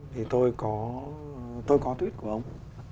thì tôi có tweet của ông